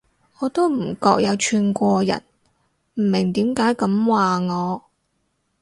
我都唔覺有串過人，唔明點解噉話我